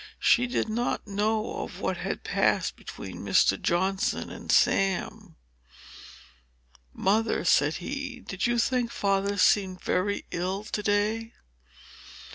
She did not know of what had passed between Mr. Johnson and Sam. "Mother," said he, "did you think father seemed very ill to day?"